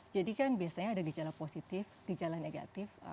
jadi kan biasanya ada gejala positif gejala negatif